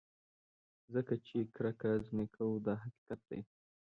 ځکه چې کرکه ځینې کوو دا حقیقت دی.